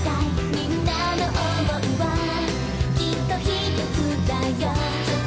「みんなの想いはきっとひとつだよ」